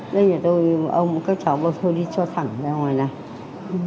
đây nhà tôi ông các cháu bác sĩ đi cho thẳng ra ngoài này